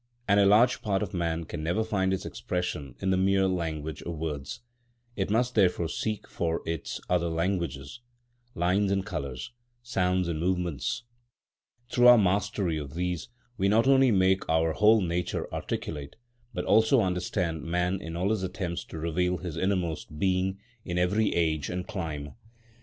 And a large part of man can never find its expression in the mere language of words. It must therefore seek for its other languages,—lines and colours, sounds and movements. Through our mastery of these we not only make our whole nature articulate, but also understand man in all his attempts to reveal his innermost being in every age and clime.